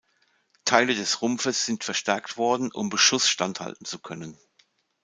Teile des Rumpfes sind verstärkt worden, um Beschuss standhalten zu können.